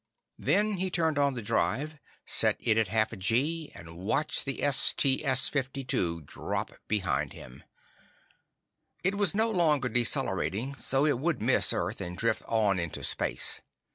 Then he turned on the drive, set it at half a gee, and watched the STS 52 drop behind him. It was no longer decelerating, so it would miss Earth and drift on into space.